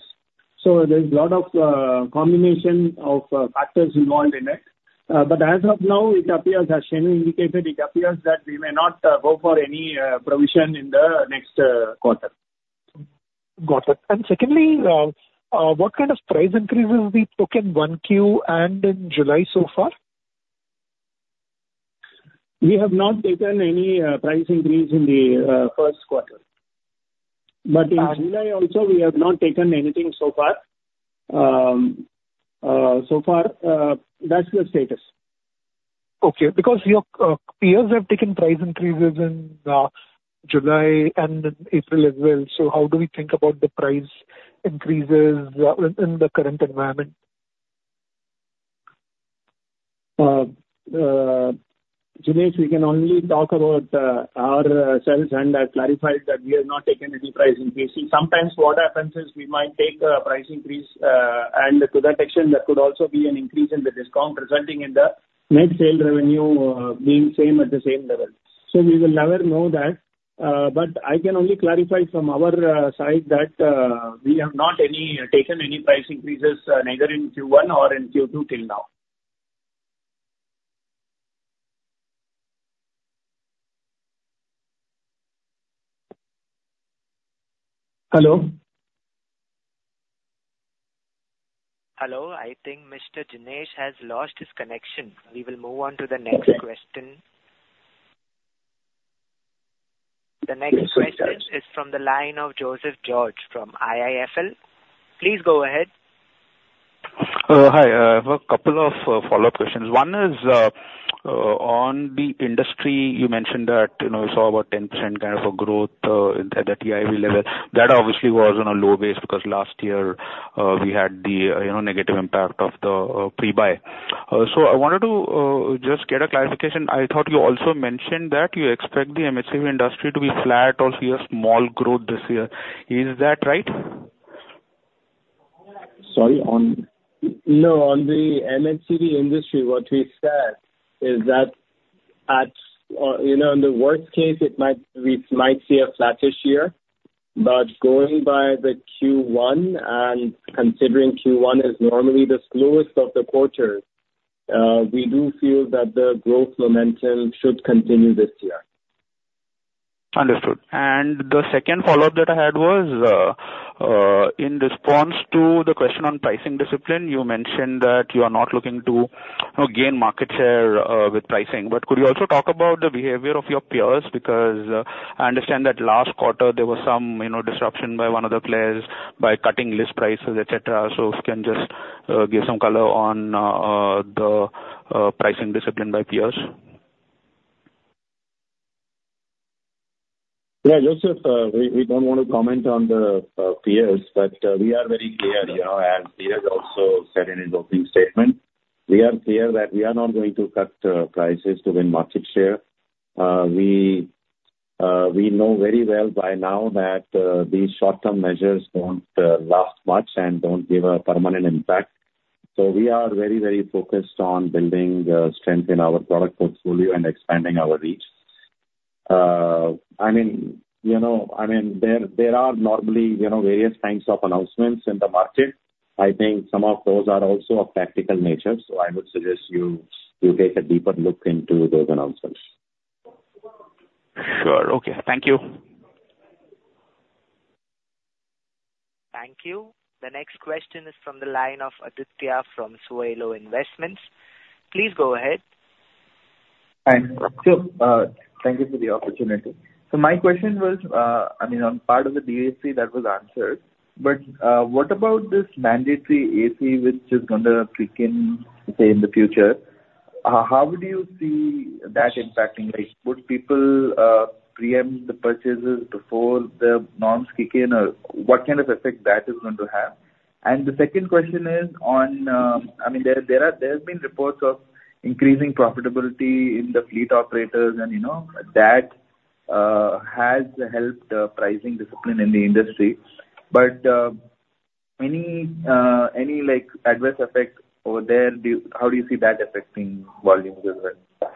So there's a lot of combination of factors involved in it. But as of now, it appears, as Shenu indicated, it appears that we may not go for any provision in the next quarter. Got it. And secondly, what kind of price increase will be took in 1Q and in July so far? We have not taken any price increase in the first quarter. Uh- But in July also, we have not taken anything so far. So far, that's the status. Okay, because your peers have taken price increases in July and in April as well. So how do we think about the price increases within the current environment? Jinesh, we can only talk about our sales, and I clarified that we have not taken any price increase. Sometimes what happens is we might take a price increase, and to that extent, there could also be an increase in the discount, resulting in the net sale revenue being same at the same level. So we will never know that. But I can only clarify from our side that we have not any taken any price increases, neither in Q1 or in Q2 till now. Hello? Hello, I think Mr. Jinesh has lost his connection. We will move on to the next question. The next question- Yes, good, got it.... is from the line of Joseph George from IIFL. Please go ahead. Hi. I have a couple of follow-up questions. One is on the industry. You mentioned that, you know, you saw about 10% kind of a growth at the TIV level. That obviously was on a low base, because last year we had the, you know, negative impact of the pre-buy. So I wanted to just get a clarification. I thought you also mentioned that you expect the M&HCV industry to be flat or see a small growth this year. Is that right? Sorry, on the M&HCV industry, what we said is that, you know, in the worst case, it might, we might see a flattish year. But going by the Q1 and considering Q1 is normally the slowest of the quarters, we do feel that the growth momentum should continue this year. Understood. And the second follow-up that I had was, in response to the question on pricing discipline. You mentioned that you are not looking to, you know, gain market share, with pricing, but could you also talk about the behavior of your peers? Because, I understand that last quarter there was some, you know, disruption by one of the players by cutting list prices, et cetera. So if you can just, give some color on, the, pricing discipline by peers. ... Yeah, Joseph, we don't want to comment on the peers, but we are very clear, you know, as Dheeraj also said in his opening statement, we are clear that we are not going to cut prices to win market share. We know very well by now that these short-term measures don't last much and don't give a permanent impact. So we are very, very focused on building strength in our product portfolio and expanding our reach. I mean, you know, I mean, there are normally, you know, various kinds of announcements in the market. I think some of those are also of tactical nature, so I would suggest you take a deeper look into those announcements. Sure. Okay. Thank you. Thank you. The next question is from the line of Aditya from Sowilo Investments. Please go ahead. Thanks. So, thank you for the opportunity. So my question was, I mean, on part of the DAC that was answered, but, what about this mandatory AC, which is gonna kick in, say, in the future? How do you see that impacting? Like, would people, preempt the purchases before the norms kick in, or what kind of effect that is going to have? And the second question is on, I mean, there have been reports of increasing profitability in the fleet operators and, you know, that, has helped, pricing discipline in the industry. But, any, any, like, adverse effect over there, do you... How do you see that affecting volumes as well?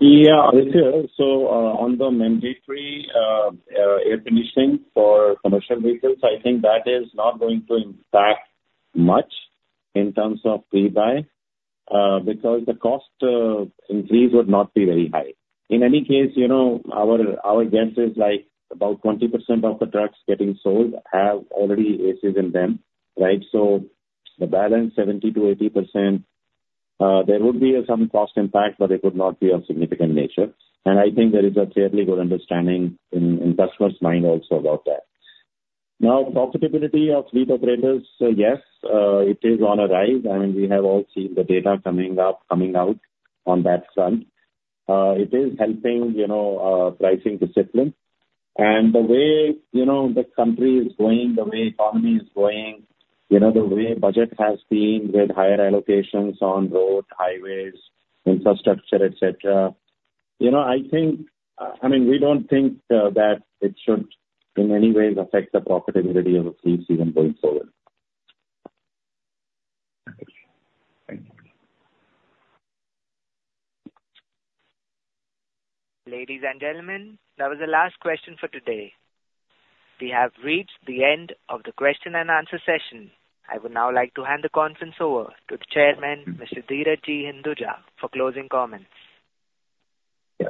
Yeah, Aditya, so, on the mandatory air conditioning for commercial vehicles, I think that is not going to impact much in terms of pre-buy, because the cost increase would not be very high. In any case, you know, our guess is like about 20% of the trucks getting sold have already ACs in them, right? So the balance, 70%-80%, there would be some cost impact, but it would not be of significant nature. And I think there is a fairly good understanding in customers' mind also about that. Now, profitability of fleet operators, yes, it is on a rise, and we have all seen the data coming up, coming out on that front. It is helping, you know, pricing discipline. The way, you know, the country is going, the way economy is going, you know, the way budget has been with higher allocations on road, highways, infrastructure, et cetera, you know, I think, I mean, we don't think that it should in any way affect the profitability of the fleet sector going forward. Thank you. Ladies and gentlemen, that was the last question for today. We have reached the end of the question and answer session. I would now like to hand the conference over to the Chairman, Mr. Dheeraj G. Hinduja, for closing comments. Yeah.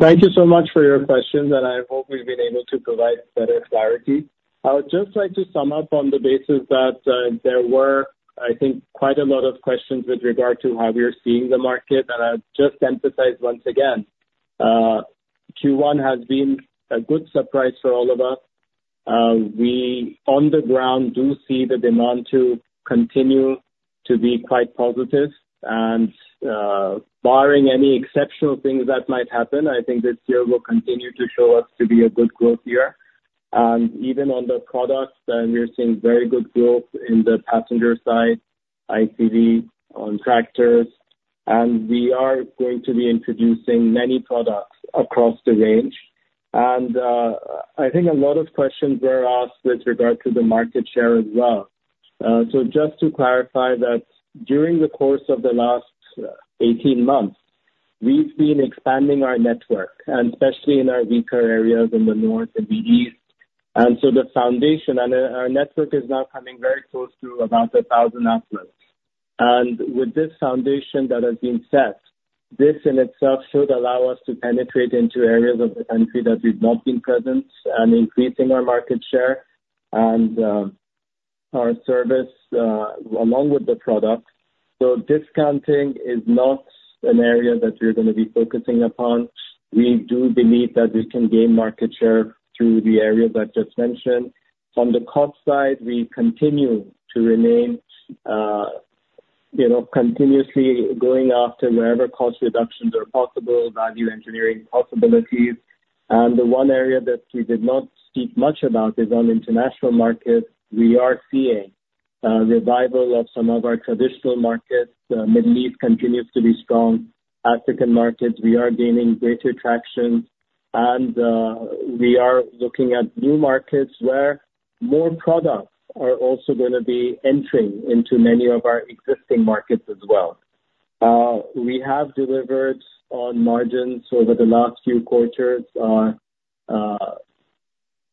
Thank you so much for your questions, and I hope we've been able to provide better clarity. I would just like to sum up on the basis that, there were, I think, quite a lot of questions with regard to how we are seeing the market. And I'd just emphasize once again, Q1 has been a good surprise for all of us. We, on the ground, do see the demand to continue to be quite positive. And, barring any exceptional things that might happen, I think this year will continue to show up to be a good growth year. And even on the products, then we're seeing very good growth in the passenger side, ICV, on tractors, and we are going to be introducing many products across the range. And, I think a lot of questions were asked with regard to the market share as well. So just to clarify that during the course of the last, 18 months, we've been expanding our network, and especially in our weaker areas in the north and the east. And so the foundation and, our network is now coming very close to about 1,000 outlets. And with this foundation that has been set, this in itself should allow us to penetrate into areas of the country that we've not been present and increasing our market share and, our service, along with the product. So discounting is not an area that we're gonna be focusing upon. We do believe that we can gain market share through the areas I just mentioned. On the cost side, we continue to remain, you know, continuously going after wherever cost reductions are possible, value engineering possibilities. And the one area that we did not speak much about is on international markets. We are seeing a revival of some of our traditional markets. Middle East continues to be strong. African markets, we are gaining greater traction, and, we are looking at new markets where more products are also gonna be entering into many of our existing markets as well. We have delivered on margins over the last few quarters. Our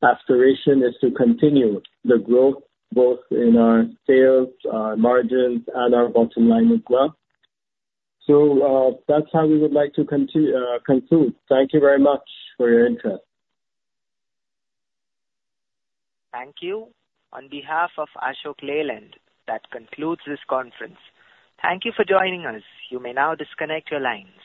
aspiration is to continue the growth both in our sales, margins, and our bottom line as well. So, that's how we would like to conclude. Thank you very much for your interest. Thank you. On behalf of Ashok Leyland, that concludes this conference. Thank you for joining us. You may now disconnect your lines.